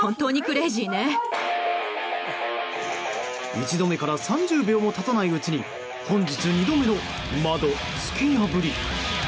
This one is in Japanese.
１度目から３０秒も経たないうちに本日２度目の窓、突き破り。